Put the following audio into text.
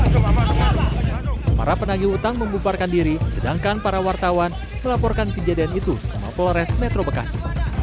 para penagih utang membubarkan diri sedangkan para wartawan melaporkan kejadian itu sama polres metro bekasi